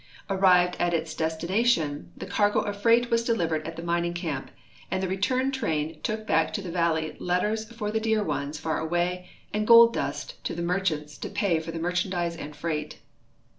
Arrived at its desti nation, the cargo of freight Avas delivered at the mining camp, and the return train took back to the valley letters for the dear ones far aAva}" and gold dust to the merchants to pa}^ for the merchandise and freight.